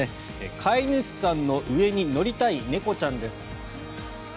飼い主さんの上に乗りたい猫ちゃんです。